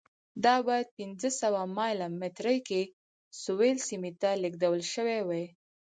دا باید پنځه سوه مایل مترۍ کې سویل سیمې ته لېږدول شوې وای.